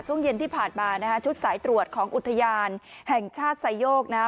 ช่วงเย็นที่ผ่านมานะฮะชุดสายตรวจของอุทยานแห่งชาติไซโยกนะฮะ